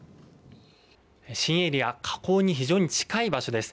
新エリア火口に非常に近い場所です